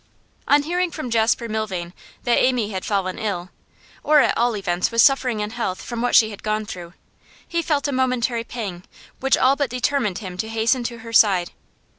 On hearing from Jasper Milvain that Amy had fallen ill, or at all events was suffering in health from what she had gone through, he felt a momentary pang which all but determined him to hasten to her side.